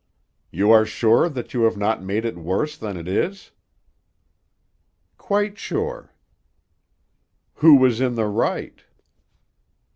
"You are sure that you have not made it worse than it is?" "Quite sure." "Who was in the right?"